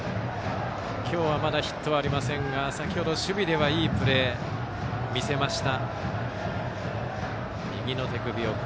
今日、ヒットはまだありませんが先程、守備でいいプレーを見せました。